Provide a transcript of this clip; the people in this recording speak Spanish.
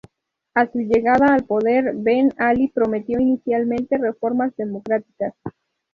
A su llegada al poder, Ben Ali prometió inicialmente reformas democráticas.